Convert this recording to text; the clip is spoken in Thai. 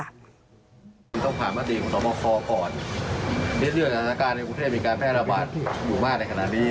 ต้องผ่านมาตรีกรุงทรรมภก่อนเรื่องอาณาจารย์การในกรุงเทพฯมีการแพร่ระบาดอยู่มากในขณะนี้